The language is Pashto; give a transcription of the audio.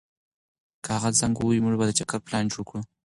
که هغه زنګ ووهي، موږ به د چکر پلان جوړ کړو.